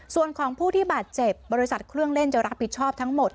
ส่วนของผู้ที่บาดเจ็บบริษัทเครื่องเล่นจะรับผิดชอบทั้งหมด